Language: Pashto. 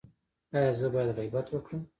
ایا زه باید غیبت وکړم؟